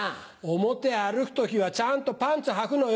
表歩く時はちゃんとパンツはくのよ。